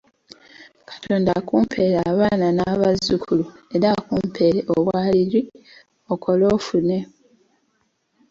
Katonda akumpeere abaana n'abazzukulu era akumpeere obwaliri, okole ofune.